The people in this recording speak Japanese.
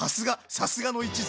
さすがの一族。